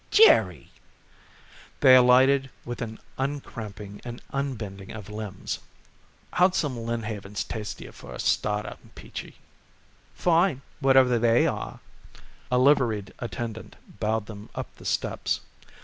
"Jerry!" They alighted with an uncramping and unbending of limbs. "How'd some Lynnhavens taste to you for a starter, Peachy?" "Fine, whatever they are." A liveried attendant bowed them up the steps.